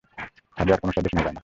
ছাদে আর কোনো শব্দ শোনা যাচ্ছে না।